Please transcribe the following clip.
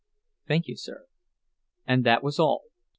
(Thank you, sir.) And that was all.